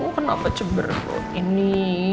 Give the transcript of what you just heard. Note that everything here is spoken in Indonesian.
kenapa cebrut ini